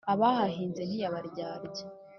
Abahahinze ntiyabaryarya;